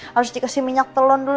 harus dikasih minyak telur dulu